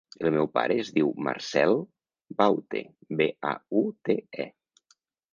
El meu pare es diu Marcèl Baute: be, a, u, te, e.